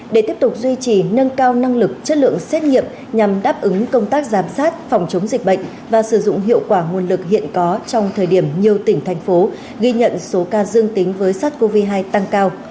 để tiếp tục duy trì nâng cao năng lực chất lượng xét nghiệm nhằm đáp ứng công tác giám sát phòng chống dịch bệnh và sử dụng hiệu quả nguồn lực hiện có trong thời điểm nhiều tỉnh thành phố ghi nhận số ca dương tính với sars cov hai tăng cao